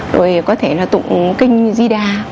rồi có thể là tụng kinh di đa